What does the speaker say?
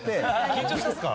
緊張したんですか？